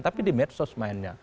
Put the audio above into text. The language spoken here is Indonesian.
tapi di medsos mainnya